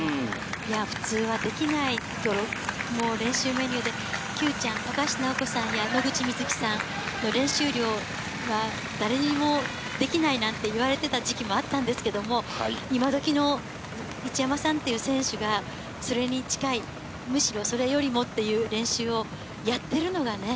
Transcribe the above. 普通はできない練習メニューでＱちゃん、高橋尚子さんや野口みずきさんの練習量は誰にもできないなんて言われていた時期もありましたが、今どきの一山さんという選手がそれに近い、むしろそれよりもっていう練習をやっているのがね。